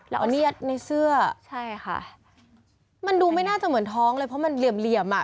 แล้วเอาเนี๊ยดในเสื้อมันดูไม่น่าจะเหมือนท้องเลยเพราะมันเหลี่ยมอ่ะ